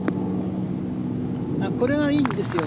これがいいんですよ。